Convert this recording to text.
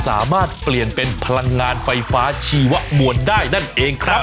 สามารถเปลี่ยนเป็นพลังงานไฟฟ้าชีวมวลได้นั่นเองครับ